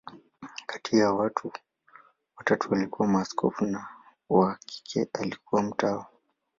Kati yao, watatu walikuwa maaskofu, na wa kike alikuwa mtawa.